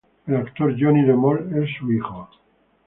El actor Johnny de Mol es su hijo.